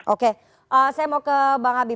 oke saya mau ke bang habib